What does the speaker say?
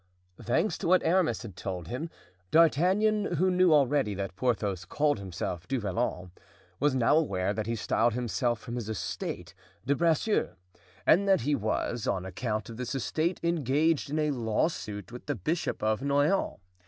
Thanks to what Aramis had told him, D'Artagnan, who knew already that Porthos called himself Du Vallon, was now aware that he styled himself, from his estate, De Bracieux; and that he was, on account of this estate, engaged in a lawsuit with the Bishop of Noyon.